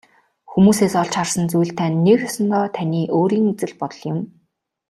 Хүмүүсээс олж харсан зүйл тань нэг ёсондоо таны өөрийн үзэл бодол юм.